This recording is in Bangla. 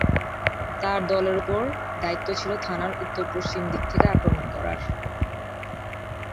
তার দলের ওপর দায়িত্ব ছিল থানার উত্তর-পশ্চিম দিক থেকে আক্রমণ করার।